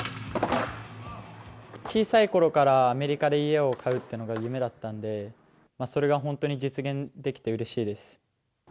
小さいころからアメリカで家を買うっていうのが夢だったんで、それが本当に実現できてうれしいです。